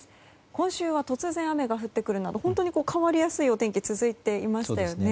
今週は突然雨が降ってくるなど本当に変わりやすいお天気が続いていましたよね。